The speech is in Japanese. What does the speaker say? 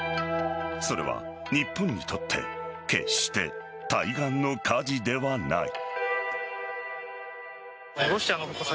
それは日本にとって決して対岸の火事ではない。